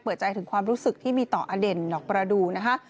เปิดใจถึงความรู้สึกที่มีต่ออเด่นดอกประดูนะคะ